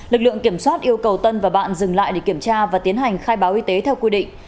lực lượng kiểm soát yêu cầu tân và bạn dừng lại để kiểm tra và tiến hành khai báo y tế theo quy định